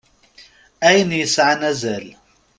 Ayen yesɛan azal.